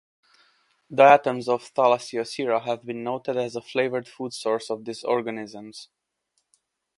Diatoms of "Thalassiosira" have been noted as a favored food source of these organisms.